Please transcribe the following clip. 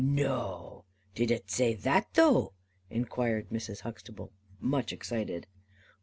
'" "Noo. Did a zay that though?" inquired Mrs. Huxtable, much excited.